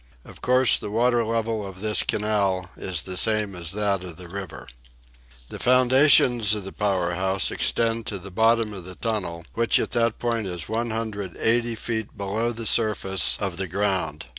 Of course the water level of this canal is the same as that of the river. The foundations of the power house extend to the bottom of the tunnel, which at that point is 180 feet below the surface of the ground.